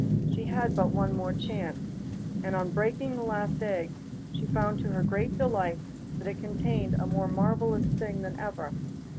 She had but one more chance, and on breaking the last egg she found to her great delight that it contained a more marvellous thing than ever.